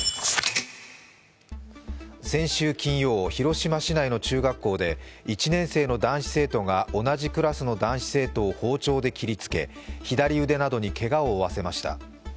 先週金曜、広島市内の中学校で１年生の男子生徒が同じクラスの男子生徒を包丁で切りつけ左腕などにけがを負わせました。